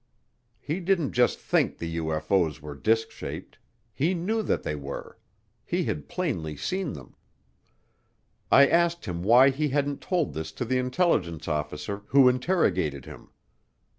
He didn't just think the UFO's were disk shaped; he knew that they were; he had plainly seen them. I asked him why he hadn't told this to the intelligence officer who interrogated him.